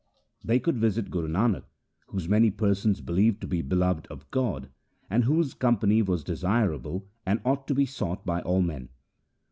They could visit Guru Nanak, whom many persons believed to be beloved of God, and whose holy company was desirable and ought to be sought by all men.